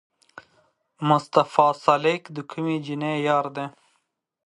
مصطفی سالک د کومې جینۍ یار دی؟